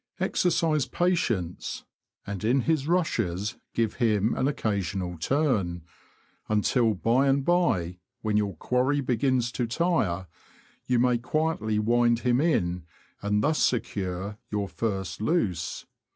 Exercise patience, and in his rushes give him an occasional turn, until by and by, when your quarry begins to tire, you may quietly wind him in, and thus secure your first " luce."